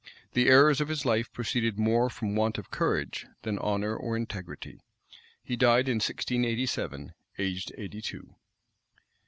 The errors of his life proceeded more from want of courage, than of honor or integrity. He died in 1687, aged eighty two.